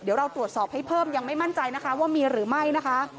เดี๋ยวเราตรวจสอบให้เพิ่มยังไม่มั่นใจนะคะว่ามีหรือไม่นะคะ